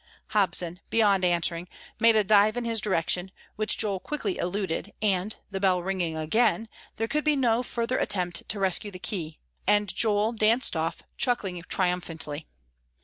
Hobson, beyond answering, made a dive in his direction, which Joel quickly eluded, and, the bell ringing again, there could be no further attempt to rescue the key, and Joel danced off, chuckling triumphantly.